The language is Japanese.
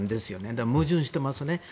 だから矛盾していますね。